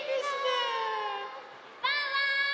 ワンワーン！